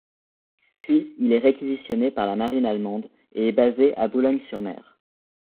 Puis il est réquisitionné par la marine allemande et est basé à Boulogne-sur-Mer.